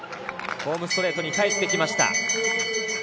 ホームストレートに帰ってきました。